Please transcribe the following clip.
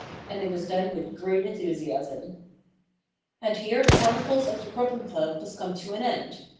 And it was done with great enthusiasm. And here the chronicles of the Problem Club must come to an end.